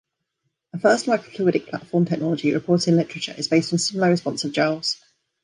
A first microfluidic platform technology reported in literature is based on stimuli-responsive gels.